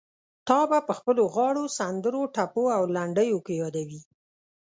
تا به په خپلو غاړو، سندرو، ټپو او لنډيو کې يادوي.